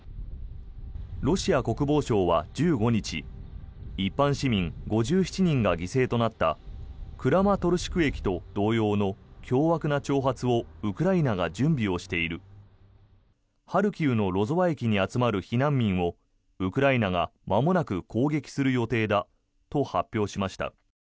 ロシア国防省は１５日一般市民５７人が犠牲となったクラマトルシク駅と同様の凶悪な挑発をウクライナが準備をしているハルキウのロゾワ駅に集まる避難民をウクライナがまもなく攻撃する予定だと発表しました。